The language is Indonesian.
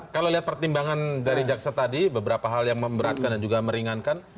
kalau lihat pertimbangan dari jaksa tadi beberapa hal yang memberatkan dan juga meringankan